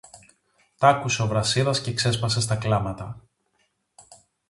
Τ' άκουσε ο Βρασίδας και ξέσπασε στα κλάματα.